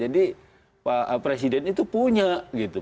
jadi presiden itu punya gitu